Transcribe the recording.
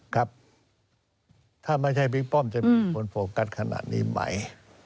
ครับถ้าไม่ใช่บิ๊กป้อมจะมีคนโฟกัสขนาดนี้ไหม